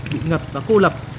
bị ngập và cô lập